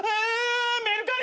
メルカリ。